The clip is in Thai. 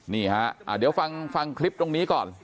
นี่ฮะเดี๋ยวฟังคลิปตรงนี้ก่อน